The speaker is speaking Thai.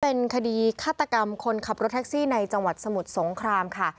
เป็นคดีฆาตกรรมคนขับรถแท็กซี่ในจังหวัดสมุทรสงครามค่ะ